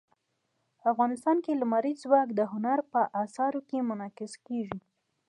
افغانستان کې لمریز ځواک د هنر په اثار کې منعکس کېږي.